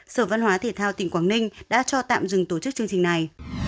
sở văn hóa thể thao tỉnh quảng ninh đã cho tạm dừng tổ chức chương trình này